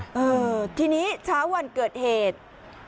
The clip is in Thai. เออทีนี้เช้าวันเกิดเหตุ